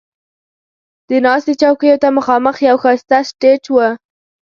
د ناستې چوکیو ته مخامخ یو ښایسته سټیج و.